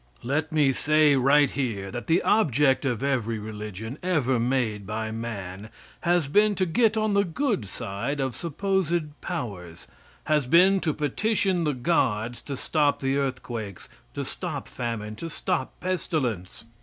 Let me say right here that the object of every religion ever made by man has been to get on the good side of supposed powers; has been to petition the gods to stop the earthquakes, to stop famine, to stop pestilence.